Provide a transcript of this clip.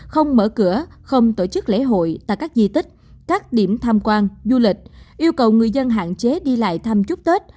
không mở cửa không tổ chức lễ hội tại các di tích các điểm tham quan du lịch yêu cầu người dân hạn chế đi lại thăm chúc tết